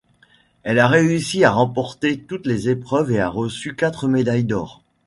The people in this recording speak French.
Elle a réussi à remporter toutes les épreuves et a reçu quatre médailles d'or.